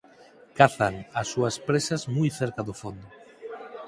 Cazan ás súas presas moi cerca do fondo.